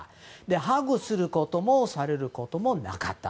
ハグをすることもされることもなかった。